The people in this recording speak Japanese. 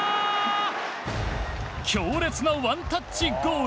強烈なワンタッチゴール。